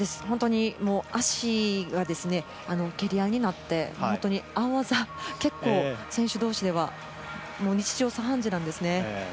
脚が蹴り合いになって、青あざは結構選手同士では、日常茶飯事なんですね。